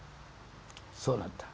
そうなった。